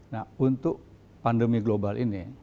nah untuk pandemi global ini